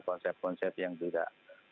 konsep konsep yang tidak